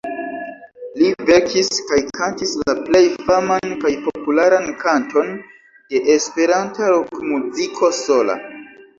Li verkis kaj kantis la plej faman kaj popularan kanton de esperanta rokmuziko: 'Sola'.